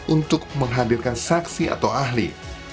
untuk menghadirkan saksi atau ahli